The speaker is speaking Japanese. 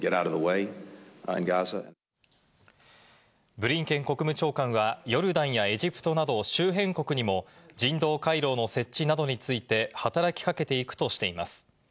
ブリンケン国務長官は、ヨルダンやエジプトなど、周辺国にも人道回廊の設置などについて働き掛けていくとしています。